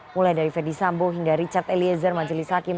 mulai dari fedy sambo hingga richard eliezer majelis hakim